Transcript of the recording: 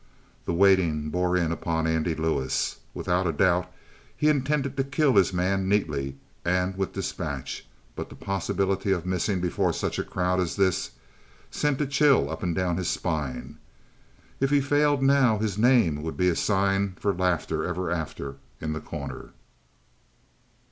The waiting bore in upon Andy Lewis. Without a doubt he intended to kill his man neatly and with dispatch, but the possibility of missing before such a crowd as this sent a chill up and down his spine. If he failed now his name would be a sign for laughter ever after in The Corner.